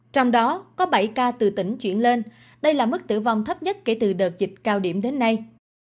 trong đó có bảy ca từ tỉnh chuyển lên đây là mức tử vong thấp nhất kể từ đợt dịch cao điểm đến nay